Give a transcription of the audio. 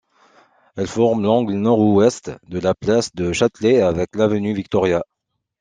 Elle forme l'angle nord-ouest de la place du Châtelet avec l'avenue Victoria.